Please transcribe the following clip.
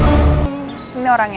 morning terus kira kira